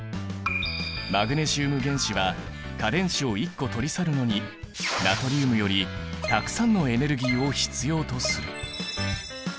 マグネシウム原子は価電子を１個取り去るのにナトリウムよりたくさんのエネルギーを必要とする。